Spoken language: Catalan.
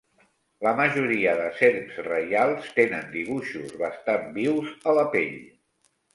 La majoria de serps reials tenen dibuixos bastant vius a la pell.